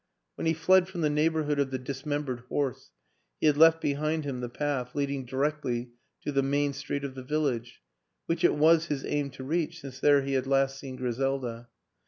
When he fled from the neighborhood of the dis membered horse he had left behind him the path leading directly to the main street of the village which it was his aim to reach since there he had last seen Griselda.